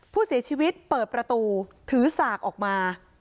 ผู้เสียชีวิตเปิดประตูถือสากออกมา